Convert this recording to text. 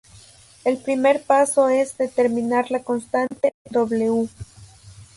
El primer paso es determinar la constante "w".